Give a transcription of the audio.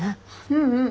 うんうん。